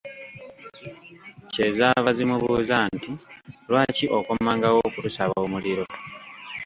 Kye zaava zimubuuza nti, lwaki okomangawo okutusaba omuliro?